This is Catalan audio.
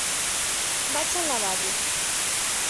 "Vaig al lavabo".